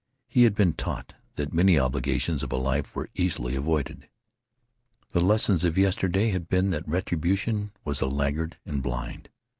He had been taught that many obligations of a life were easily avoided. The lessons of yesterday had been that retribution was a laggard and blind.